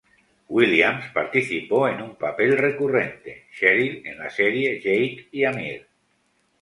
Williams participó en un papel recurrente, Cheryl, en la serie "Jake y Amir".